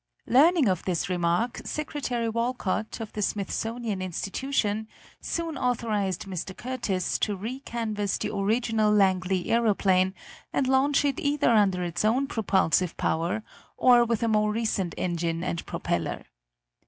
Learning of this remark Secretary Walcott, of the Smithsonian Institution, soon authorized Mr. Curtiss to recanvas the original Langley aeroplane and launch it either under its own propulsive power or with a more recent engine and propeller.